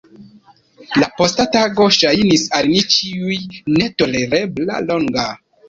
La posta tago ŝajnis al ni ĉiuj netolereble longa.